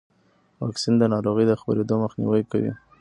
واکسن د ناروغۍ د خپرېدو مخنیوی کوي.